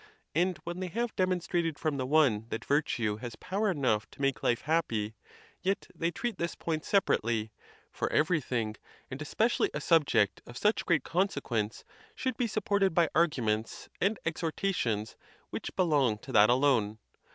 and when they have demon strated from the one that virtue has power enough to make life happy, yet they treat this point separately ; for everything, and especially a subject of such great conse quence, should be supported by arguments and. exhorta tions which belong to that. alone.